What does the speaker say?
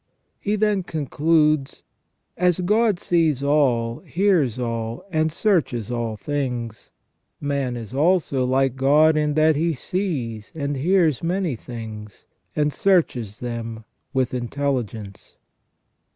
He then concludes : "As God sees all, hears all, and searches all things ; man is also like God in that he sees and hears many things, and searches them with intelligence."